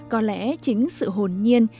có lẽ chính sự hồn nhiên